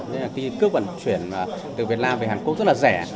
thế nên cước vận chuyển từ việt nam về hàn quốc rất là rẻ